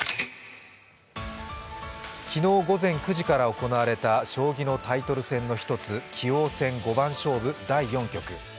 昨日午前９時から行われた将棋のタイトル戦の１つ、棋王戦五番勝負第４局。